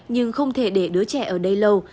nhưng không thể để đứa trẻ ở đây lâu